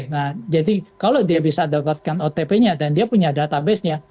nah jadi kalau dia bisa dapatkan otp nya dan dia punya databasenya